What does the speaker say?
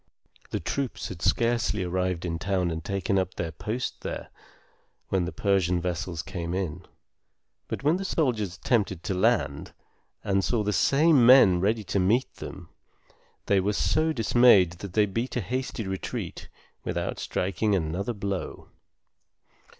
The troops had scarcely arrived in town and taken up their post there, when the Persian vessels came in; but when the soldiers attempted to land, and saw the same men ready to meet them, they were so dismayed that they beat a hasty retreat without striking another blow.